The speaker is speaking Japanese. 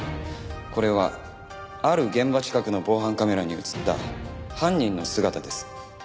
これはある現場近くの防犯カメラに映った犯人の姿です。